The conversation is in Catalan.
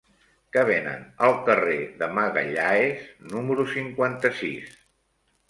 Què venen al carrer de Magalhães número cinquanta-sis?